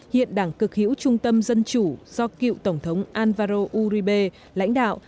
hiện đảng cực hữu trung tâm dân chủ do cựu tổng thống alvaro uribe lãnh đạo